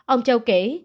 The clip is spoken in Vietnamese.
ông châu kể